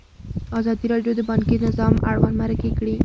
ازادي راډیو د بانکي نظام اړوند مرکې کړي.